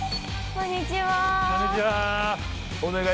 こんにちは。